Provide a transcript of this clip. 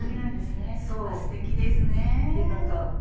あっすてきですね。